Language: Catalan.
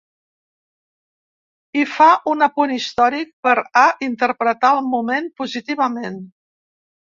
I fa un apunt històric per a interpretar el moment positivament.